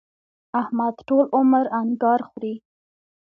احمد ټول عمر انګار خوري.